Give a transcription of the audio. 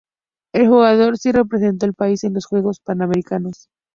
El jugador sí representó al país en los Juegos Panamericanos.